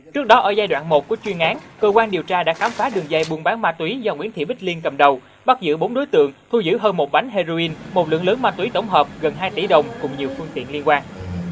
trước đó ở giai đoạn một của chuyên án cơ quan điều tra đã khám phá đường dây buôn bán ma túy do nguyễn thị bích liên cầm đầu bắt giữ bốn đối tượng thu giữ hơn một bánh heroin một lượng lớn ma túy tổng hợp gần hai tỷ đồng cùng nhiều phương tiện liên quan